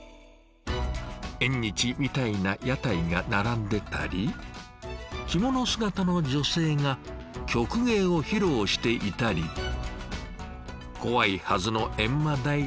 縁日みたいな屋台が並んでたり着物姿の女性が曲芸を披露していたり怖いはずの閻魔大王も仏様と酒盛り中。